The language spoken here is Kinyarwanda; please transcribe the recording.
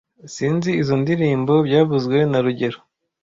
Sinzi izoi ndirimbo byavuzwe na rugero (